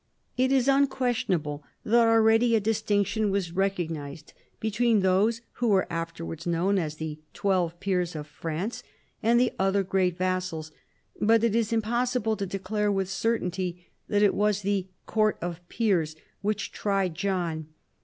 It is unquestionable that already a distinction was recognised between those who were after wards known as the Twelve Peers of France and the other great vassals, but it is impossible to declare with certainty that it was the " court of peers " which tried John.